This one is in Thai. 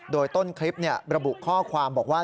โดยต้นคลิประบุข้อความบอกว่า